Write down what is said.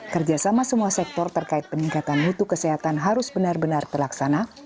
kerjasama semua sektor terkait peningkatan mutu kesehatan harus benar benar terlaksana